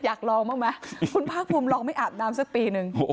อยากลองบ้างไหมคุณภาคภูมิลองไม่อาบน้ำสักปีนึง